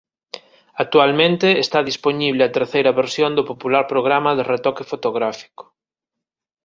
Actualmente está dispoñible a terceira versión do popular programa de retoque fotográfico.